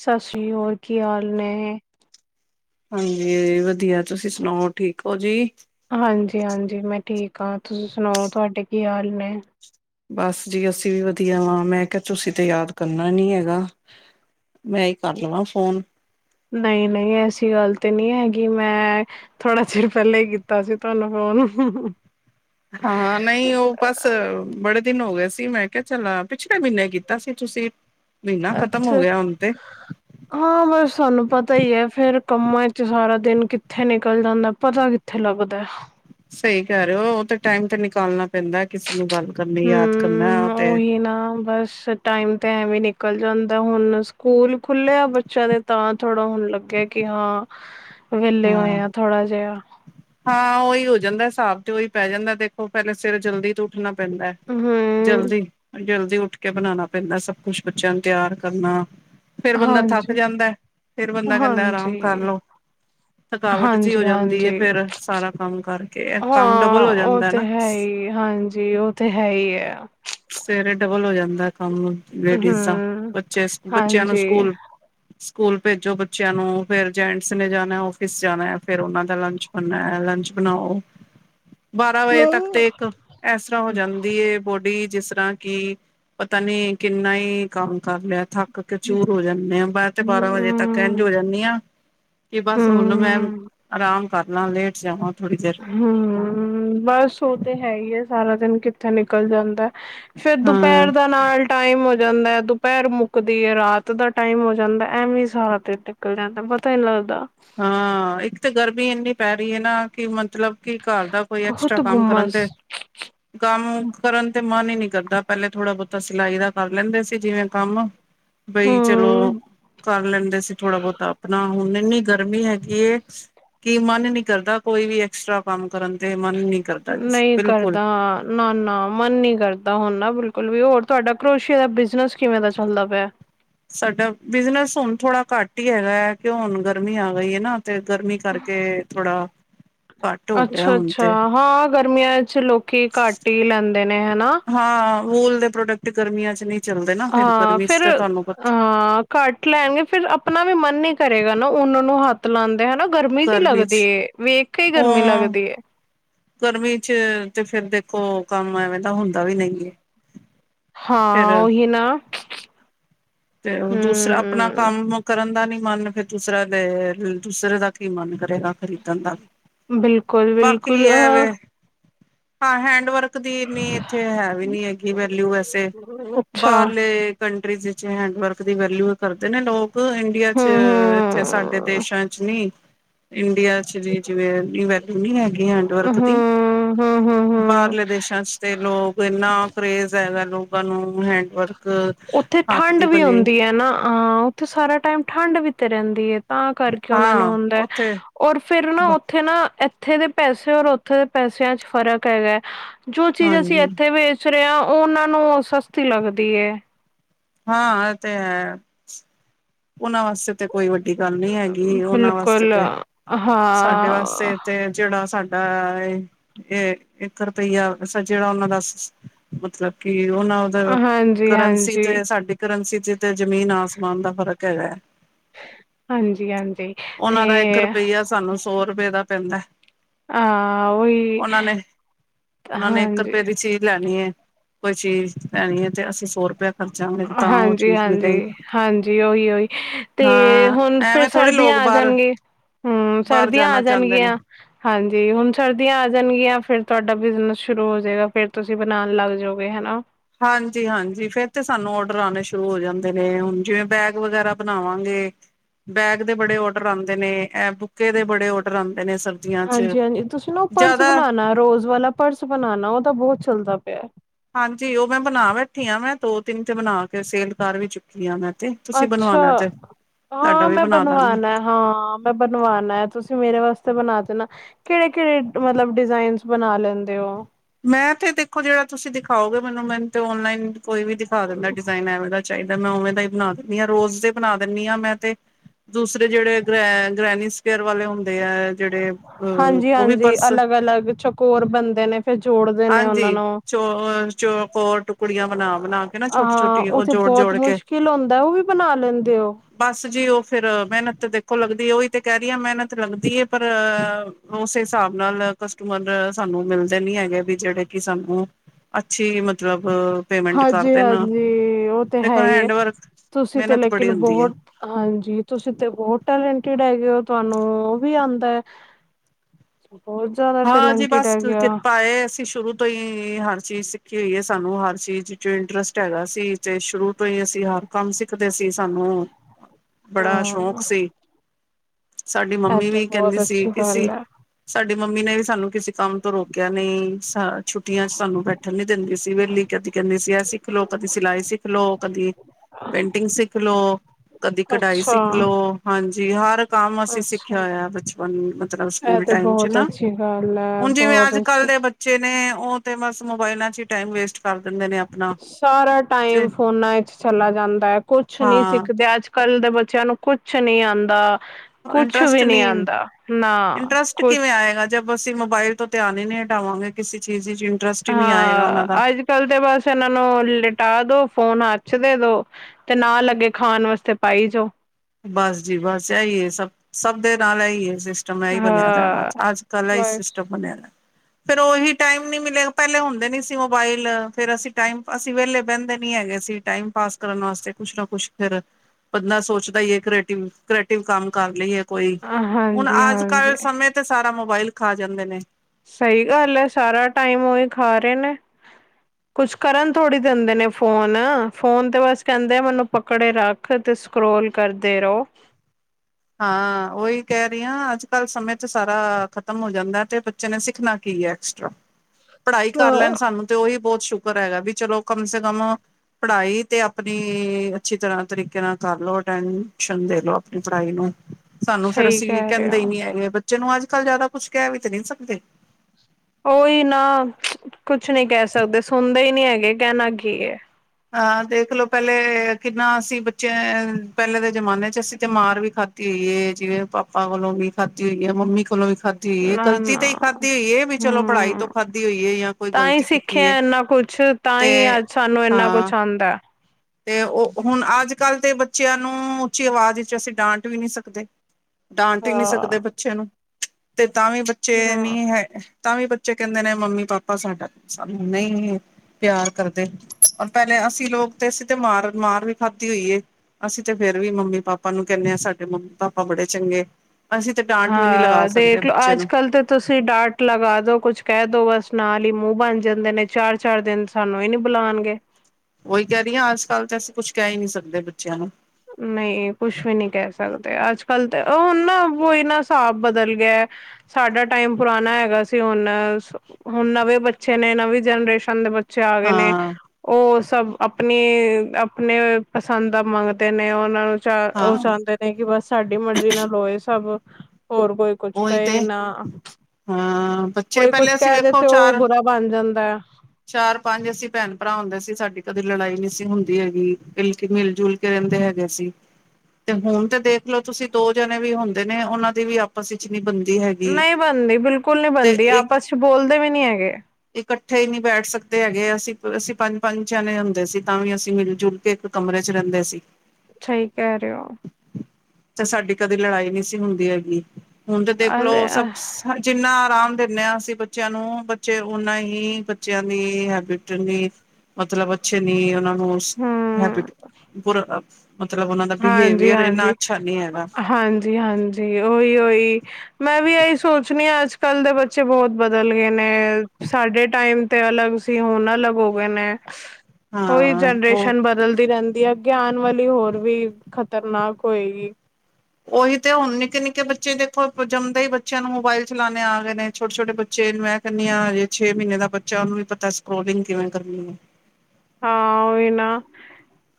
ਸਤਿ ਸ਼੍ਰੀ ਹੋਰ ਕੀ ਹਾਲ ਨੇਂ? ਹਾਂਜੀ ਵਧੀਆ, ਤੁਸੀਂ ਸੁਣਾਓ ਠੀਕ ਹੋ ਜੀ। ਹਾਂਜੀ ਹਾਂਜੀ ਮੈਂ ਠੀਕ ਆਂ, ਤੁਸੀਂ ਸੁਣਾਓ ਤੁਹਾਡੇ ਕੀ ਹਾਲ ਨੇ? ਬਸ ਜੀ ਅਸੀਂ ਵੀ ਵਧੀਆ ਵਾਂ ਮੈਂ ਕਿਹਾ ਤੁਸੀਂ ਤੇ ਯਾਦ ਕਰਨਾ ਨੀ ਹੈਗਾ। ਮੈਂ ਈ ਕਰ ਲਵਾਂ ਫੋਨ। ਨਈਂ ਨਈਂ ਐਸੀ ਗੱਲ ਤੇ ਨਹੀਂ ਹੈਗੀ। ਮੈਂ ਥੋੜਾ ਚਿਰ ਪਹਿਲਾਂ ਈ ਕੀਤਾ ਸੀ ਤੁਹਾਨੂੰ ਫੋਨ। [unintelligible] ਹਾਂ ਨਈਂ ਉਹ ਬਸ, ਬੜੇ ਦਿਨ ਹੋ ਗਏ ਸੀ, ਮੈਂ ਕਿਹਾ ਚੱਲ ਪਿਛਲੇ ਮਹੀਨੇ ਕੀਤਾ ਸੀ ਤੁਸੀਂ ਮਹੀਨਾ ਖ਼ਤਮ ਹੋ ਅੱਛਾ ਗਿਆ ਹੁਣ ਤੇ। ਹਾਂ ਬਸ ਸਾਨੂੰ ਪਤਾ ਈ ਏ ਫੇਰ ਕੰਮਾਂ ਚ ਸਾਰਾ ਦਿਨ ਕਿੱਥੇ ਨਿਕਲ ਜਾਂਦਾ ਪਤਾ ਕਿਥ ਇੱਥੇ ਲੱਗਦਾ ਐ। ਸਹੀ ਕ ਰੈ ਓ, ਉਹ ਤੇ ਟਾਈਮ ਤੇ ਨਿਕਾਲਣਾ ਪੈਂਦਾ ਕਿਸੇ ਨੂੰ ਗੱਲ ਕਰਨੀ ਯਾਦ ਕਰਨਾ ਹੂੰ ਉਹ ਤੇ ਉਹੀ ਨਾ ਬਸ। ਟਾਈਮ ਤੇ ਐਵੇਂ ਨਿਕਲ ਜਾਂਦਾ ਹੁਣ ਸਕੂਲ ਖੁੱਲ੍ਹਿਆ ਬੱਚਿਆਂ ਦੇ ਤਾਂ ਥੋੜ੍ਹਾ ਹੁਣ ਲੱਗਿਆ ਕਿ ਹਾਂ [inaudible] ਵਿਹਲੇ ਹੋਏ ਹਾਂ ਆ ਥੋੜਾ ਜਿਹਾ। ਹਾਂ ਉਹੀ ਹੋ ਜਾਂਦਾ ਹਿਸਾਬ ਤੇ ਉਹੀ ਪੈ ਜਾਂਦਾ ਦੇਖੋ ਪਹਿਲੇ ਸਵੇਰੇ ਜਲਦੀ ਤੋਂ ਉੱਠਣਾ ਪੈਂਦਾ। ਹੂੰ ਜਲਦੀ, ਜਲਦੀ ਉੱਠ ਕੇ ਬਣਾਉਣਾ ਪੈਂਦਾ ਸਭ ਕੁਛ ਬੱਚਿਆਂ ਨੂੰ ਤਿਆਰ ਕਰਨਾ। ਫੇਰ ਬੰਦਾ ਥੱਕ ਹਾਂਜੀ। ਜਾਂਦਾ, ਫਿਰ ਬੰਦਾ ਕਹਿੰਦਾ ਆਰਾਮ ਹਾਂਜੀ, ਕਰ ਲਓ। ਥਕਾਵਟ ਜਿਹੀ ਹੋ ਜਾਂਦੀ ਹੈ ਹਾਂਜੀ-ਹਾਂਜੀ। ਫੇਰ। ਸਾਰਾ ਕੰਮ ਕਰਕੇ ਕੰਮ ਡਬਲ ਹੋ ਹਾਂ, ਉਹ ਜਾਂਦਾ ਨਾ। ਤੇ ਹੈ ਹੀ ਹਾਂਜੀ ਉਹ ਤੇ ਹੈ ਹੀ ਹੈ। ਸਵੇਰੇ ਡਬਲ ਹੋ ਜਾਂਦਾ ਕੰਮ ਲੇਡੀਜ਼ ਦਾ, ਹੂੰ, ਬੱਚੇ ਬੱਚਿਆਂ ਨੂੰ ਹਾਂਜੀ। ਸਕੂਲ ਸਕੂਲ ਭੇਜੋ ਬੱਚਿਆਂ ਨੂੰ ਫੇਰ ਜੈਂਟਸ ਨੇ ਜਾਣਾ ਆਫਿਸ ਜਾਣਾ ਫੇਰ ਉਹਨਾਂ ਦਾ ਲੰਚ ਲੰਚ ਬਣਾਓ। ਬਾਰਾਂ ਵਜੇ ਤੱਕ ਤੇ ਹੂੰ, ਇੱਕ, ਇਸ ਤਰ੍ਹਾਂ ਹੋ ਜਾਂਦੀ ਹੈ ਬੋਡੀ ਜਿਸ ਤਰ੍ਹਾਂ ਕਿ ਪਤਾ ਨੀ ਕਿੰਨਾ ਹੀ ਕੰਮ ਕਰ ਲਿਆ ਥੱਕ ਚੂਰ ਹੋ ਜਾਂਨੇ ਆ ਬਾਹ ਤੇ ਬਾਰਾਂ ਵਜੇ ਤੱਕ ਇੰਝ ਹੋ ਜਾਂਨੀ ਆ ਕਿ ਬਸ ਹੁਣ ਮੈਂ ਹੂੰ। ਆਰਾਮ ਕਰ ਲਾਂ ਲੇਟ ਜਾਵਾਂ ਥੋੜ੍ਹੀ ਦੇਰ। ਹੂੰ ਬਸ ਉਹ ਤੇ ਹੈ ਹੀ ਹੈ ਸਾਰਾ ਦਿਨ ਕਿੱਥੇ ਨਿਕਲ ਜਾਂਦਾ। ਫੇਰ ਹਾਂ ਦੁਪਹਿਰ ਦਾ ਨਾਲ ਟਾਈਮ ਜਾਂਦਾ ਦੁਪਹਿਰ ਮੁੱਕਦੀ ਹੈ ਰਾਤ ਦਾ ਟਾਈਮ ਹੋ ਜਾਂਦਾ ਐਵੇਂ ਸਾਰਾ ਦਿਨ ਨਿਕਲ ਜਾਂਦਾ ਪਤਾ ਹੀ ਨੀ ਲੱਗਦਾ। ਹਾਂ ਇੱਕ ਤਾਂ ਗਰਮੀ ਇੰਨੀ ਪੈ ਰਹੀ ਹੈ ਨਾ ਕਿ ਮਤਲਬ ਕੀ ਘਰ ਦਾ ਕੋਈ ਐਕਸਟਰਾ ਬਹੁਤ ਕੰਮ ਕਰਨ ਗੁੰਮਸ ਦੇ ਕੰਮ ਕਰਨ ਤੇ ਮਨ ਹੀ ਨਹੀਂੀ ਕਰਦਾ ਪਹਿਲਾਂ ਥੋੜ੍ਹਾ ਬਹੁਤਾ ਸਿਲਾਈ ਦਾ ਕਰ ਲੈਂਦੇ ਸੀ ਜਿਵੇਂ ਕੰਮ। ਬਈ ਚਲੋ, ਹੂੰ, ਕਰ ਲੈਂਦੇ ਸੀ ਥੋੜਾ ਬਹੁਤਾ ਆਪਣਾ ਹੁਣ ਇੰਨੀ ਗਰਮੀ ਹੈਗੀ ਏ, ਕੀ ਮਨ ਨੀ ਕਰਦਾ ਕੋਈ ਵੀ ਐਕਸਟਰਾ ਕੰਮ ਕਰਨ ਤੇ ਮਨ ਨੀ ਕਰਦਾ, ਬਿਲਕੁਲ। ਨਾ-ਨਾ ਮਨ ਨੀ ਕਰਦਾ ਹੁਣ ਨਾ ਬਿਲਕੁਲ ਵੀ ਹੋਰ ਤੁਹਾਡਾ ਕਰੋਸ਼ੀਏ ਦਾ ਬਿਜਨਸ ਕਿਵੇਂ ਦਾ ਚੱਲਦਾ ਪਿਆ? ਸਾਡਾ, ਬਿਜਨਸ ਹੁਣ ਥੋੜਾ ਘੱਟ ਹੀ ਹੈਗਾ ਹੈ ਕਿ ਹੁਣ ਗਰਮੀ ਆ ਗਈ ਹੈ ਨਾ। ਤੇ ਗਰਮੀ ਕਰਕੇ ਥੋੜਾ ਘੱਟ ਹੋ ਗਿਆ ਹੁਣ ਅੱਛਾ-ਅੱਛਾ ਤੇ ਹਾਂ ਗਰਮੀਆਂ ਚ ਲੋਕੀ ਘੱਟ ਹੀ ਲੈਂਦੇ ਨੇ ਹਨਾ। ਹਾਂ ਵੂਲ ਦੇ ਪ੍ਰੋਡਕਟ ਗਰਮੀਆਂ ਚ ਨਹੀਂ ਚੱਲਦੇ ਨਾ ਫਿਰ ਹਾਂ ਗਰਮੀ ਚ ਫਿਰ, ਤਾਂ ਤੁਹਾਨੂੰ ਪਤਾ ਅਹ ਘੱਟ ਲੈਣਗੇ ਫੇਰ ਆਪਣਾ ਵੀ ਮਨ ਨੀ ਕਰੇਗਾ ਨਾ ਉਹਨਾਂ ਨੂੰ ਹੱਥ ਲਾਂਦੇ ਹਨਾ। ਗਰਮੀ ਦੀ ਲੱਗਦੀ ਏ, ਵੇਖ ਕੇ ਹੀ ਗਰਮੀ ਹਾਂ ਲੱਗਦੀ ਏ। ਗਰਮੀ ਚ ਤੇ ਫਿਰ ਦੇਖੋ ਕੰਮ ਐਵੇਂ ਦਾ ਹੁੰਦਾ ਵੀ ਨਹੀਂ ਹੈ। ਹਾਂ ਫਿਰ ਉਹੀ ਨਾ। ਤੇ ਉਹ ਦੂਸਰਾ ਆਪਣਾ ਹਮ ਕੰਮ ਕਰਨ ਦਾ ਨੀ ਮਨ ਫਿਰ ਦੂਸਰਾ ਦੇ ਦੂਸਰੇ ਦਾ ਕੀ ਮਨ ਕਰੇਗਾ ਖਰੀਦਣ ਦਾ ਵੀ। ਬਿਲਕੁਲ ਬਿਲਕੁਲ ਬਾਕੀ ਅ ਐਵੇ, ਹਾਂ ਹੈਂਡ ਵਰਕ ਦੀ ਇੰਨੀ ਇੱਥੇ ਹੈ ਵੀ ਨੀ ਹੈਗੀ ਵੈਲਿਊ ਵੈਸੇ, ਅੱਛਾ ਬਾਹਰਲੇ ਕੰਟਰੀ ਚ ਹੈਂਡ ਵਰਕ ਦੀ ਵੈਲਿਊ ਕਰਦੇ ਨੇ ਲੋਕ। ਇੰਡੀਆ 'ਚ ਹਮ ਇੱਥੇ ਸਾਡੇ ਹਮ ਦੇਸਾਂ 'ਚ ਨੀ, ਇੰਡੀਆ ਜੀ ਜਿਵੇਂ, ਵੈਲਿਊ ਨੀ ਹੈਗੀ ਹੈਂਡ ਵਰਕ ਹਮ ਦੀ। ਹਮ ਹਮ ਹਮ ਬਾਹਰਲੇ ਦੇਸਾਂ 'ਚ ਤੇ ਲੋਕ ਇੰਨਾ ਕਰੇਜ ਹੈਗਾ ਲੋਕਾਂ ਨੂੰ ਹੈਂਡਵਰਕ ਅ ਉੱਥੇ ਠੰਡ ਵੀ ਆਉਂਦੀ ਹੈ ਨਾ ਆ ਉੱਥੇ ਸਾਰਾ ਟਾਈਮ ਠੰਡ ਵੀ ਤੇ ਰਹਿੰਦੀ ਏ। ਤਾਂ ਕਰਕੇ ਉਹਨਾ ਨੂੰ ਹਾਂ ਹੁੰਦਾ ਹੈ, ਉੱਥੇ ਔਰ ਫਿਰ ਨਾ ਉੱਥੇ ਨਾ ਇਥੇ ਦੇ ਪੈਸੇ ਔਰ ਉੱਥੇ ਦੇ ਪੈਸਿਆਂ 'ਚ ਫਰਕ ਹੈਗਾ ਹੈ ਜੋ ਚੀਜ਼ ਅਸੀਂ ਹਾਂਜੀ ਇੱਥੇ ਵ ਵੇਚ ਰਹੇ ਆ ਉਹਨਾਂ ਨੂੰ ਸਸਤੀ ਲੱਗਦੀ ਹੈ। ਹਾਂ ਇਹ ਤੇ ਹੈ। ਉਹਨਾਂ ਵਾਸਤੇ ਤੇ ਕੋਈ ਵੱਡੀ ਗੱਲ ਨਹੀਂ ਹੈਗੀ ਉਹਨਾਂ ਵਾਸਤੇ ਬਿਲਕੁਲ ਤੇ ਸਾਡੇ ਹਾਂ ਵਾਸਤੇ ਤੇ ਜਿਹੜਾ ਸਾਡੇ ਇਹ ਇੱਕ ਰੁਪਈਆ ਸੱਜੇ ਦਾ ਉਹਨਾਂ ਦੱਸ ਮਤਲਬ ਕਿ ਉਹਨਾਂ ਉਹਦਾ ਹਾਂਜੀ ਕਰੰਸੀ। ਹਾਂਜੀ ਤੇ ਸਾਡੀ ਕਰੰਸੀ ਚ ਤੇ ਜ਼ਮੀਨ ਆਸਮਾਨ ਦਾ ਫ਼ਰਕ ਹੈਗਾ ਹੈ। ਹਾਂਜੀ ਹਾਂਜੀ ਤੇ ਉਹਨਾਂ ਦਾ ਇੱਕ ਰੁਪਈਆ ਸਾਨੂੰ ਸੌ ਰੁਪਏ ਦਾ ਪੈਂਦਾ। ਅਹ ਉਹੀ ਉਹਨਾਂ ਨੇ ਉਹਨਾਂ ਨੇ ਇੱਕ ਹਾਂਜੀ ਰੁਪਏ ਦੀ ਚੀਜ਼ ਲੈਣੀ ਹੈ। ਕੋਈ ਚੀਜ਼ ਲੈਣੀ ਹੈ ਤੇ ਅਸੀਂ ਸੌ ਰੁਪਇਆ ਖਰਚਾਂਗੇ ਤੇ ਤਾਂ ਉਹ ਹਾਂਜੀ ਚੀਜ਼ ਹਾਂਜੀ ਮਿਲੇਗੀ ਹਾਂਜੀ ਓਹੀ ਓਹੀ ਤੇ ਹਾਂ ਹੁਣ ਫਿਰ ਐਵੇਂ ਥੋੜ੍ਹੀ ਸਰਦੀਆਂ ਲੋਕ ਆ ਬਾਹਰ ਜਾਣਗੇ! ਹੂ ਬਾਹਰ ਸਰਦੀਆਂ ਆ ਜਾਣਾ ਚਾਹੁੰਦੇ ਨੇ ਜਾਣਗੀਆਂ ਹਾਂਜੀ ਹੁਣ ਸਰਦੀਆਂ ਆ ਜਾਣਗੀਆਂ ਫਿਰ ਤੁਹਾਡਾ ਬਿਜਨਸ ਸ਼ੁਰੂ ਹੋ ਜਾਏਗਾ ਫਿਰ ਤੁਸੀਂ ਬਣਾਉਣ ਲੱਗ ਜਾਓਗੇ ਹਨਾ। ਹਾਂਜੀ ਹਾਂਜੀ ਫਿਰ ਤੇ ਸਾਨੂੰ ਔਡਰ ਆਉਣੇ ਸ਼ੁਰੂ ਹੋ ਜਾਂਦੇ। ਨੇ ਹੁਣ ਜਿਵੇਂ ਬੈਗ ਵਗੈਰਾ ਬਣਾਵਾਂਗੇ। ਬੈਗ ਦੇ ਬੜੇ ਔਡਰ ਆਉਂਦੇ ਨੇ ਇਹ ਬੁੱਕੇ ਦੇ ਬੜੇ ਔਡਰ ਆਉਂਦੇ ਨੇ ਸਰ ਹਾਂਜੀ ਹਾਂਜੀ ਤੁਸੀਂ ਨਾ ਉਹ ਪਰਸ ਬਣਾਉਣਾ ਰੋਜ਼ ਵਾਲਾ ਪਰਸ ਬਣਾਉਣਾ ਉਹ ਤਾਂ ਬਹੁਤ ਚੱਲਦਾ ਪਿਆ। ਹਾਂਜੀ ਉਹ ਮੈਂ ਬਣਾ ਬੈਠੀ ਹਾਂ ਮੈਂ ਦੋ ਤਿੰਨ ਤੇ ਬਣਾ ਕੇ ਸੇਲ ਕਾਰ ਵੀ ਚੁੱਕ ਕੀ ਆਣਾ ਤੇ ਤੁਸੀਂ ਬਣਵਾਣਾ ਅੱਛਾ, ਤੇ ਤੁਹਾਡਾ ਹਾਂ ਵੀ ਮੈਂ ਬਣਾ ਦਾਂਗੀ। ਬਣਵਾਣਾ ਹਾਂ ਮੈਂ ਬਣਵਾਣਾ ਹੈ ਤੁਸੀਂ ਮੇਰੇ ਵਾਸਤੇ ਬਣਾ ਦੇਣਾ। ਕਿਹੜੇ ਕਿਹੜੇ ਮਤਲਬ ਡਿਜ਼ਾਇਨ ਬਣਾ ਲੈਂਦੇ ਹੋ। ਮੈਂ ਤੇ ਦੇਖੋ ਜਿਹੜਾ ਤੁਸੀਂ ਦਿਖਾਓਗੇ ਮੈਨੂੰ ਮੈਨੂੰ ਤੇ ਔਨਲਾਈਨ ਕੋਈ ਵੀ ਦਿਖਾ ਦਿੰਦਾ ਡਿਜ਼ਾਇਨ ਇਹ ਵਾਲਾ। ਚਾਹੀਦਾ ਮੈਂ ਉਵੇਂ ਦਾ ਹੀ ਬਣਾ ਦਿੰਦੀ ਹਾਂ ਰੋਜ਼ ਦੇ ਬਣਾ ਦਿੰਦੀ ਹਾਂ ਮੈਂ ਤੇ ਦੂਸਰੇ ਜਿਹੜੇ ਗਰੈਰ ਗ੍ਰੈਨੀ ਸਕੇਅਰ ਵਾਲੇ ਹੁੰਦੇ ਹੈ। ਹਾਂਜੀ ਹਾਂਜੀ ਅਲੱਗ ਅਲੱਗ ਚਕੋਰ ਪੈਂਦੇ ਨੇ। ਫਿਰ ਜੋੜਦੇ ਨੇ ਉਹਨਾਂ ਹਾਂਜੀ ਨੂੰ ਚੋ ਚੋਕੋਰ ਟੁਕੜੀਆਂ ਬਣਾ ਬਣਾ ਕੇ ਨਾ ਛੋਟੀ ਹਾਂ ਛੋਟੀ ਉਹ ਤੇ ਜੋੜ ਬਹੁਤ ਜੋੜ ਕੇ ਮੁਸ਼ਕਿਲ ਹੁੰਦਾ ਉਹ ਵੀ ਬਣਾ ਲੈਂਦੇ ਓ। ਬਸ ਜੀ ਉਹ ਫਿਰ ਮਿਹਨਤ ਦੇਖੋ ਲੱਗਦੀ ਉਹੀ ਤੇ ਕਹਿ ਰਹੀ ਆ ਮਿਹਨਤ ਲੱਗਦੀ ਪਰ ਉਸੇ ਹਿਸਾਬ ਨਾਲ ਕਸਟਮਰ ਸਾਨੂੰ ਮਿਲਦੇ ਨੀ ਹੈਗੇ ਵੀ ਜਿਹੜੇ ਕਿ ਸਾਨੂੰ ਅੱਛੀ ਮਤਲਬ ਪੇਮੈਂਟ ਹਾਂਜੀ ਕਰਦੇ ਨਾ ਹਾਂਜੀ ਉਹ ਤੇ ਦੇਖੋ ਹੈ ਹੀ ਹੈਂਡ ਵਰਕ ਤੁਸੀਂ ਤੇ ਮਿਹਨਤ ਬੜੀ ਲੇਕਿਨ ਹੁੰਦੀ ਹੈ ਬਹੁਤ ਹਾਂਜੀ ਤੁਸੀਂ ਤੇ ਬਹੁਤ ਟੈਲੈਂਟਡ ਹੈਗੇ ਹੋ ਤੁਹਾਨੂੰ ਉਹ ਵੀ ਆਉਂਦਾ ਹੈ। ਹੋਰ ਹਾਂ ਜੀ ਬਸ ਕਿਰਪਾ ਅਸੀਂ ਸ਼ੁਰੂ ਤੋਂ ਹੀ ਹਰ ਚੀਜ਼ ਸਿੱਖੀ ਹੋਈ ਹੈ ਸਾਨੂੰ ਹਰ ਚੀਜ਼ ਚ ਇੰਟਰਸਟ ਹੈਗਾ ਸੀ ਤੇ ਸ਼ੁਰੂ ਤੋਂ ਹੀ ਅਸੀਂ ਹਰ ਕੰਮ ਸਿੱਖਦੇ ਸੀ ਸਾਨੂੰ ਬੜਾ ਸ਼ੌਕ ਹੂੰ, ਸੀ। ਸਾਡੀ ਇਹ ਮੰਮੀ ਤੇ ਵੀ ਕਹਿੰਦੀ ਬਹੁਤ ਸੀ ਕੀ ਅੱਛੀ ਕਿਸੇ ਗੱਲ ਹੈ। ਸਾਡੀ ਮੰਮੀ ਨੇ ਵੀ ਸਾਨੂੰ ਕਿਸੇ ਕੰਮ ਤੋਂ ਰੋਕਿਆ ਨਹੀਂ ਛੁੱਟੀਆਂ ਚ ਸਾਨੂੰ ਬੈਠਣ ਨੀ ਦਿੰਦੀ ਸੀ ਵਿਹਲੀ ਕਦੀ ਕਹਿੰਦੀ ਸੀ ਹੈ ਸਿਖ ਸਿੱਖ ਲਓ ਕਦੀ ਸਿਲਾਈ ਸਿੱਖ ਲਓ ਕਦੀ ਪੇਂਟਿੰਗ ਸਿੱਖ ਲਓ ਕਦੀ ਕਢਾਈ ਸਿੱਖ ਅੱਛਾ-ਅੱਛਾ, ਲਓ। ਹਾਂਜੀ ਹਰ ਕੰਮ ਅਸੀਂ ਸਿੱਖਿਆ ਹੋਇਆ ਬਚਪਨ ਮਤਲਬ ਇਹ ਸਕੂਲ ਤੇ ਟਾਈਮ ' ਚ ਬਹੁਤ ਨਾ ਅੱਛੀ ਗੱਲ ਹੈ ਹੁਣ ਜਿਵੇਂ ਬਹੁਤ ਅੱਜ ਕੱਲ੍ਹ ਅੱਛੀ ਦੇ ਬੱਚੇ ਨੇ ਉਹ ਤੇ ਬਸ ਮੋਬਾਇਲਾਂ ਚ ਹੀ ਟਾਈਮ ਵੇਸਟ ਕਰ ਦਿੰਦੇ ਨੇ ਆਪਣਾ ਸਾਰਾ ਤੇ ਟਾਈਮ ਫੋਨਾਂ ਵਿਚ ਚਲਾ ਜਾਂਦਾ ਹੈ ਕੁਛ ਨੀ ਹਾਂ ਸਿੱਖਦੇ ਅੱਜ ਕੱਲ ਦੇ ਬੱਚਿਆਂ ਨੂੰ ਕੁਛ ਨੀ ਆਉਂਦਾ। ਕੁਛ ਵੀ ਨਹੀਂ ਆਉਂਦਾ ਨਾ ਇੰਟਰਸਟ ਕੁਛ ਕਿਵੇਂ ਆਏਗਾ ਜਬ ਅਸੀਂ ਮੋਬਾਇਲ ਤੋਂ ਧਿਆਨ ਹੀ ਨਹੀਂ ਹਟਾਵਾਂਗੇ ਕਿਸੇ ਚੀਜ਼ ਵਿਚ ਇੰਟਰਸਟ ਹੀ ਨਹੀਂ ਆਏਗਾ ਹਾਂ ਉਹਨਾਂ ਦਾ ਅੱਜ ਕੱਲ ਤੇ ਬਸ ਇਹਨਾਂ ਨੂੰ ਲਿਟਾ ਦੋ ਫੋਨ ਹੱਥ ਚ ਦੇ ਦੋ ਤੇ ਨਾਲ ਲੱਗੇ ਖਾਣ ਵਾਸਤੇ ਪਾਈ ਜੋ। ਬਸ ਜੀ ਬਸ ਇਹੀ ਹੈ ਸਭ ਸਭ ਦੇ ਨਾਲ ਇਹੀ ਹੈ। ਸਿਸਟਮ ਹੀ ਬਣਿਆ ਹਾਂ ਅੱਜ ਕੱਲ ਹੀ ਬਸ ਸਿਸਟਮ ਬਣਿਆ। ਫੇਰ ਉਹੀ ਟਾਈਮ ਨੀ ਮਿਲੇ ਪਹਿਲੇ ਹੁੰਦੇ ਨੀ ਸੀ ਮੋਬਾਇਲ ਫੇਰ ਅਸੀਂ ਟਾਈਮ ਅਸੀਂ ਵਿਹਲੇ ਬਹਿੰਦੇ ਨੀ ਹੈਗੇ ਸੀ। ਟਾਈਮ ਪਾਸ ਕਰਨ ਵਾਸਤੇ ਕੁਛ ਨਾ ਕੁੱਛ ਫਿਰ ਬੰਦਾ ਸੋਚ ਹੀਏ ਕਰ੍ਰੀਟਿਵ ਕਰ੍ਰੀਏਟਿਵ ਕੰਮ ਕਰ ਲਈਏ ਕੋਈ ਹੁਣ ਹਾਂਜੀ ਅੱਜ ਕੱਲ ਹਾਂਜੀ ਸਮੇਂ ਤੇ ਸਾਰਾ ਮੋਬਾਇਲ ਖਾ ਜਾਂਦੇ ਨੇ। ਸਹੀ ਗੱਲ ਹੈ ਸਾਰਾ ਟਾਈਮ ਉਹੀ ਖਾ ਰਹੇ ਨੇ। [inaudible] ਕੁਛ ਕਰਨ ਥੋੜੀ ਦੇ ਹੁੰਦੇ ਨੇ ਫੋਨ ਫੋਨ ਤੇ ਬਸ ਕਹਿੰਦੇ ਆ ਮੈਨੂੰ ਪਕੜੇ ਰੱਖ ਫੇਰ ਤੇ ਸਕਰੋਲ ਕਰਦੇ ਰਹੋ। ਹਾਂ। ਉਹੀ ਕਹਿ ਰਹੀ ਹਾਂ ਅੱਜ ਕੱਲ੍ਹ ਸਮੇਂ ਤੇ ਸਾਰਾ ਖਤਮ ਹੋ ਜਾਂਦਾ ਤੇ ਬੱਚੇ ਨੇ ਸਿੱਖਣਾ ਕੀ ਹੈ? ਐਕਸਟਰਾ। ਪੜ੍ਹਾਈ ਕਰ ਰਹੋ ਲੈਣ ਸਾਨੂੰ ਤੇ ਉਹੀ ਬਹੁਤ ਸ਼ੁਕਰ ਹੈਗਾ ਵੀ ਚਲੋ ਕਮ ਸੇ ਕਮ ਪੜ੍ਹਾਈ ਤੇ ਆਪਣੀ ਅੱਛੀ ਤਰ੍ਹਾਂ ਤਰੀਕੇ ਨਾਲ ਕਰਲੋ ਅਟੈਂਸ਼ਨ ਦੇ ਲੋੋ ਆਪਣੀ ਆਈ ਨੋ ਸਾਨੂੰ ਫੇਰ ਸਹੀ ਅਸੀਂ ਕਹਿ ਰਹੇ ਕਹਿੰਦੇ ਹੀ ਨੀ ਹੋ ਹੈਗੇ ਬੱਚੇ ਨੂੰ ਅੱਜ ਕੱਲ ਜ਼ਿਆਦਾ ਕੁਛ ਕਹਿ ਵੀ ਤਾਂ ਨਹੀਂ ਸਕਦੇ। ਉਹੀ ਨਾ ਕੁਛ ਨਹੀਂ ਕਹਿ ਸਕਦੇ ਸੁਣਦੇ ਹੀ ਨਹੀਂ ਹੈਗੇ ਕਹਿਣਾ ਕੀ ਹੈ। ਅਹ ਦੇਖਲੋ ਪਹਿਲੇ ਕਿੰਨਾ ਅਸੀਂ ਬੱਚੇ ਪਹਿਲੇ ਦੇ ਜਮਾਨੇ ਚ ਅਸੀਂ ਤੇ ਮਾਰ ਵੀ ਖਾਧੀ। ਤੇ ਜਿਵੇਂ ਪਾਪਾ ਕੋਲੋਂ ਵੀ ਖਾਧੀ ਹੋਈ ਏ ਮੰਮੀ ਕੋਲੋਂ ਵੀ ਖਾਧ ਜੀ ਨਾ ਗਲਤੀ ਨਾ ਤੇ ਹੀ ਖਾਧੀ ਹੋਈ ਹੈ ਵੀ ਚਲੋ ਪੜ੍ਹਾਈ ਤੋਂ ਹਮ ਖਾਧੀ ਹੋਈ ਹੈ ਜਾਂ ਕੋਈ ਤਾਂ ਹੀ ਗ਼ਲਤੀ ਕੀਤੀ ਏ। ਸਿੱਖਿਆ ਇੰਨਾ ਕੁਛ ਤਾਂ ਹੀ ਅੱਜ ਸਾਨੂੰ ਇੰਨਾ ਕੁਛ ਆਉਂਦਾ। ਤੇ ਉਹ ਹੁਣ ਅੱਜ ਕੱਲ੍ਹ ਦੇ ਬੱਚਿਆਂ ਨੂੰ ਉੱਚੀ ਆਵਾਜ਼ ਵਿੱਚ ਅਸੀਂ ਡਾਂਟ ਵੀ ਨਹੀਂ ਸਕਦੇ। ਡਾਂਟ ਹੀ ਨਹੀਂ ਸਕਦੇ ਹਾਂ ਬੱਚੇ ਨੂੰ ਤੇ ਤਾਂ ਵੀ ਬੱਚੇ ਨੀ ਹੈ ਤਾਂ ਵੀ ਬੱਚੇ ਕਹਿੰਦੇ ਨੇ ਮੰਮੀ ਪਾਪਾ ਸਾਡਾ ਨਹੀਂ ਪਿਆਰ ਕਰਦੇ ਪਹਿਲੇ ਅਸੀਂ ਲੋਕ ਤੇ ਇਸੇ ਤੇ ਮਾਰ ਮਾਰ ਵੀ ਖਾਧੀ ਹੋਈ ਏ। ਅਸੀਂ ਤੇ ਫੇਰ ਵੀ ਮੰਮੀ ਪਾਪਾ ਨੂੰ ਕਹਿੰਦੇ ਹਾਂ ਸਾਡੇ ਮੰਮੀ ਪਾਪਾ ਬੜੇ ਚੰਗੇ। ਅਸੀਂ ਤੇ ਡਾਂਟ ਵੀ ਨਹੀਂ ਲਗਾ ਹਾਂ ਸਕਦੇ ਦੇਖ ਲੋ ਬੱਚੇ ਅੱਜ ਨੂੰ। ਕੱਲ੍ਹ ਤਾਂ ਤੁਸੀਂ ਡਾਟ ਲਗਾ ਦੋ ਕੁਝ ਕਹਿ ਦੋ ਬਸ ਨਾਲ ਹੀ ਮੂੰਹ ਬਣ ਜਾਂਦੇ ਨੇ ਚਾਰ ਚਾਰ ਦਿਨ ਸਾਨੂੰ ਨੀ ਬੁਲਾਉਣਗੇ। ਉਹੀ ਕਹਿ ਰਹੀ ਹਾਂ ਅੱਜ ਕੱਲ੍ਹ ਤਾਂ ਅਸੀਂ ਕੁੱਛ ਕਹਿ ਹੀ ਨਹੀਂ ਸਕਦੇ ਬੱਚਿਆਂ ਨੂੰ। ਨਹੀਂ ਕੁਛ ਵੀ ਨਹੀਂ ਕਹਿ ਸਕਦੇ ਅੱਜ ਕੱਲ ਤਾਂ ਹੁਣ ਨਾਈ ਨਾ ਹਿਸਾਬ ਬਦਲ ਗਿਆ। ਸਾਡਾ ਟਾਈਮ ਪੁਰਾਣਾ ਹੈਗਾ ਸੀ ਹੁਣ - ਹੁਣ ਨਵੇਂ ਬੱਚੇ ਨੇ ਨਵੀਂ ਜਨਰੇਸ਼ਨ ਦੇ। ਆ ਗਏ ਨੇ ਹਾਂ ਉਹ ਸਭ ਆਪਣੀ ਆਪਣੇ ਪਸੰਦ ਦਾ ਮੰਗ ਨੇ ਉਹਨਾਂ ਨੂੰ ਚ ਉਹ ਹਾਂ ਚਾਹੁੰਦੇ ਨੇ ਕਿ ਬਸ ਸਾਡੀ ਮਰਜ਼ੀ ਨਾਲ ਹੋਏ ਸਭ ਹੋਰ ਕੋਈ ਕੁਛ ਉਹੀ ਤੇ ਕਹੇ ਨਾ ਹਾਂ ਬੱਚੇ ਕੋਈ ਕੁਛ ਪਹਿਲੇ ਅਸੀਂ ਕਹਿ ਦੇ ਵੇਖੋ ਤੇ ਉਹ ਚਾਰ ਬੁਰਾ ਬਣ ਜਾਂਦਾ। ਚਾਰ ਪੰਜ ਅਸੀਂ ਭੈਣ ਭਰਾ ਆਉਦੇ ਸੀ ਸਾਡੀ ਕਦੇ ਲੜਾਈ ਨਹੀਂ ਸੀ ਹੁੰਦੀ ਹੈਗੀ ਮਿਲਕ ਮਿਲ ਜੁਲ ਕੇ ਰਹਿੰਦੇ ਹੈਗੇ ਸੀ। ਤੇ ਹੁਣ ਤੇ ਦੇਖਲੋ ਤੁਸੀਂ ਦੋ ਜਣੇ ਵੀ ਹੁੰਦੇ ਨੇ ਉਹਨਾਂ ਦੀ ਵੀ ਆਪਸ ਵਿੱਚ ਨੀ ਬਨਦੀ। ਨਹੀਂ ਬਣਦੀ ਬਿਲਕੁਲ ਨਹੀਂ ਬਣਦੀ ਇੱਕ ਆਪਸ ਚ ਬੋਲਦੇ ਵੀ ਨਹੀਂ ਹੈਗੇ। ਇਕੱਠੇ ਨਹੀਂ। ਬੈਠ ਸਕਦੇ ਹੈਗੇ ਅਸੀਂ- ਅਸੀਂ ਪੰਜ -ਪੰਜ ਜਣੇ ਹੁੰਦੇ ਸੀ ਤਾਂ ਵੀ ਅਸੀਂ ਮਿਲ ਜੁਲ ਕੇ ਇੱਕ ਕਮਰੇ ਚ ਰਹਿੰਦੇ ਸੀ। ਅੱਛਾ ਹੀ ਕਹਿ ਰਹੇ ਹੋ। ਤੇ ਸਾਡੀ ਕਦੀ ਲੜਾਈ ਨਹੀਂ ਸੀ ਹੁੰਦੀ ਹੈਗੀ ਹੁਣ ਤੇ ਦੇਖਲੋ ਅਰੇ ਸਭ ਜਿੰਨਾ ਆਰਾਮ ਦਿੰਦੇ ਹਾਂ ਅਸੀਂ ਬੱਚਿਆਂ ਨੂੰ ਬੱਚੇ ਓਨਾ ਹੀ ਬੱਚਿਆਂ ਦੀ ਹੈਬਿਟ ਨ ਮਤਲਬ ਅੱਛੇ ਨੀ ਉਹਨਾਂ ਹਮ ਮਤਲਬ ਉਹਨਾਂ ਦਾ ਬਿਹੇਵਅਰ ਇੰਨਾ ਅੱਛਾ ਨਹੀਂ ਹੈਗਾ। ਜੀ ਹਾਂਜੀ ਓਹੀ - ਓਹੀ। ਮੈਂ ਵੀ ਇਹੀ ਸੋਚਣੀ ਆ ਅੱਜ ਕੱਲ ਦੇ ਬੱਚੇ ਬਹੁਤ ਬਦਲ ਗਏ ਨੇ ਸਾਡੇ ਟਾਈਮ ਤੇ ਅਲੱਗ ਸੀ ਹੁਣ ਅਲੱਗ ਹੋ ਗਏ ਨੇ। [inaudible] ਉਹੀ ਹਾਂ ਉਹ ਜਨਰੇਸ਼ਨ ਬਦਲਦੀ ਰਹਿੰਦੀ ਹੈ ਅੱਗੇ ਆਉਣ ਵਾਲੀ ਹੋਰ ਵੀ। ਖ਼ਤਰਨਾਕ ਹੋਏਗੀ। ਉਹੀ ਤੇ ਹੁਣ ਨਿੱਕੇ ਨਿੱਕੇ ਬੱਚੇ ਦੇਖੋ ਜੰਮਦੇ ਹੀ ਬੱਚਿਆਂ ਨੂੰ ਮੋਬਾਇਲ ਚਲਾਣੇ ਆ ਗਏ ਨੇ ਛੋਟੇ ਛੋਟੇ ਬੱਚੇ ਨੂੰ। ਕਨੀਆਂ ਹਜੇ ਛੇ ਮਹੀਨੇ ਦਾ ਬੱਚਾ ਉਹਨੂੰ ਵੀ ਪਤਾ ਸਕੋਲਿੰਗ ਕਿਵੇਂ ਕਰਨੀ ਹੈ। ਹਾਂ ਹੀ ਨਾ।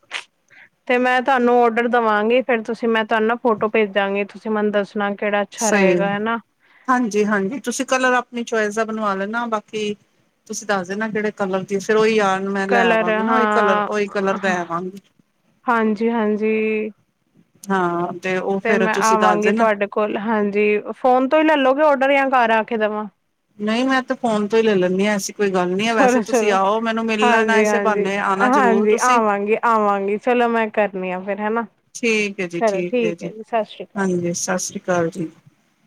ਹ। ਤੇ ਮੈਂ ਤੁਹਾਨੂੰ ਔਡਰ ਦੇਵਾਂਗੀ ਫੇਿਰ ਤੁਸੀਂ ਮੈਂ ਤੁਹਾਨੂੰ ਨਾ ਫੋਟੋ ਭੇਜਾਂਗੀ ਤੁਸੀਂ ਮੈਨੂੰ ਦੱਸਣਾ ਕਿਹੜਾ ਅੱਛਾ ਸਹੀ। ਰਹੇਗਾ ਹਨਾ ਹਾਂਜੀ ਹਾਂਜੀ ਤੁਸੀਂ ਕਲਰ ਆਪਣੀ ਚੁਆਇਸ ਦਾ ਬਣਵਾ ਲੈਣਾ ਬਾਕੀ ਤੁਸੀਂ ਦੱਸਦੇ ਨਾ ਜਿਹੜੇ ਕਲਰ ਦੀ ਫੇਿਰ ਉਹੀ ਯਾਰ ਮੈਂ ਕਲਰ ਲੈਵਾਂਗੀ ਨਾ ਉਹੀ ਕਲਰ ਉਹੀ ਕਲਰ ਲੈਵਾਂਗੀ। ਹਾਂਜੀ ਹਾਂਜੀ, ਹਾਂ ਤੇ ਉਹ ਫੇਰ ਤੁਸੀਂ ਦੱਸਦੇ ਆਵਾਂਗੀ ਨਾ। ਤੁਹਾਡੇ ਕੋਲ ਹਾਂਜੀ ਫੋਨ ਤੋਂ ਹੀ ਲੈਲੋਗੇ ਔਡਰ ਜਾਂ ਕਰ ਆ ਕੇ ਦੇਵਾਂ ਨਹੀਂ ਮੈਂ ਤੇ ਫੋਨ ਤੋਂ ਹੀ ਲੈ ਲੈਂਦੀ ਹਸੀਂ। ਚਲੋ ਚਲੋ ਲੈਣਾ ਹਾਂਜੀ ਇਸੇ ਹਾਂਜੀ ਬਹਾਨੇ ਆਣਾ ਜ਼ਰੂਰ ਹਾਂਜੀ ਤੁਸੀਂ ਆਵਾਂਗੀ ਆਵਾਂਗੀ ਚਲੋ ਮੈਂ। ਕਰਨੀ ਆ ਫੇਰ ਹਨਾ। ਠੀਕ ਹੈ ਜੀ ਚਲੋ ਠੀਕ ਹੈ ਜੀ ਸਤਿ ਸ਼੍ਰੀ ਅਕਾਲ ਹਾਂਜੀ ਸਤਿ ਸ੍ਰੀ ਅਕਾਲ ਜੀ।